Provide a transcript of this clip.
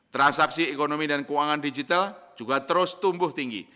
transaksi ekonomi dan keuangan digital juga terus tumbuh tinggi